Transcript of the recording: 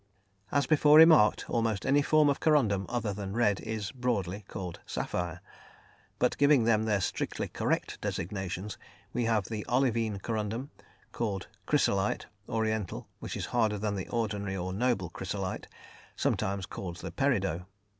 As before remarked, almost any form of corundum other than red is, broadly, called sapphire, but giving them their strictly correct designations, we have the olivine corundum, called "chrysolite" (oriental), which is harder than the ordinary or "noble" chrysolite, sometimes called the "peridot."